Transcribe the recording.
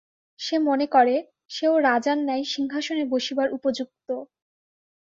সে মনে করে, সেও রাজার ন্যায় সিংহাসনে বসিবার উপযুক্ত।